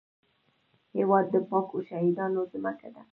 هېواد د پاکو شهیدانو ځمکه ده